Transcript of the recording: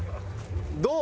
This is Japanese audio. どう？